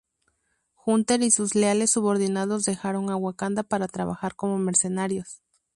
Hunter y sus leales subordinados dejaron a Wakanda para trabajar como mercenarios.